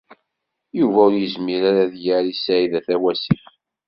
Yuba ur yezmir ara ad yerr i Saɛida Tawasift.